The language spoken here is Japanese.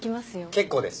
結構です。